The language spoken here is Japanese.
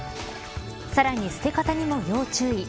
さらに、捨て方にも要注意。